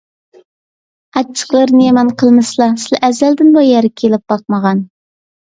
ئاچچىقلىرىنى يامان قىلمىسىلا، سىلى ئەزەلدىن بۇ يەرگە كېلىپ باقمىغان.